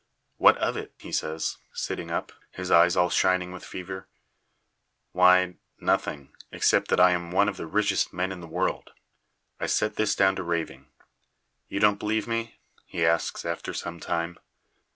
"What of it?" he says, sitting up, his eyes all shining with the fever, "why, nothing, except that I am one of the richest men in the world." I set this down to raving. "You don't believe me?" he asks after some time.